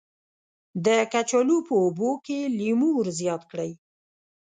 د کچالو په اوبو کې لیمو ور زیات کړئ.